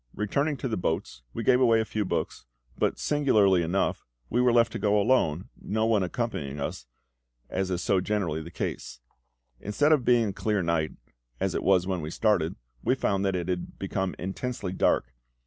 Returning to the boats, we gave away a few books; but, singularly enough, were left to go alone, no one accompanying us, as is so generally the case. Instead of being a clear night, as it was when we started, we found that it had become intensely dark.